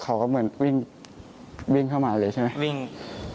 เขาก็เหมือนวิ่งวิ่งเข้ามาเลยใช่ไหมวิ่ง